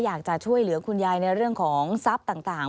อยากจะช่วยเหลือคุณยายในเรื่องของทรัพย์ต่าง